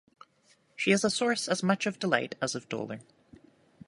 She is a source as much of delight as of dolour.